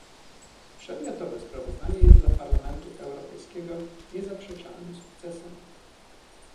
Przedmiotowe sprawozdanie jest dla Parlamentu Europejskiego niezaprzeczalnym sukcesem